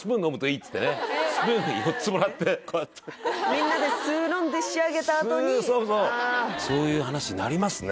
スプーン４つもらってこうやってみんなで酢飲んで仕上げたあとにそうそうそういう話になりますね